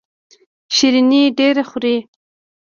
شیریني ډیره خورئ؟